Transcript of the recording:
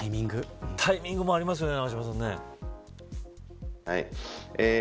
タイミングもありますよね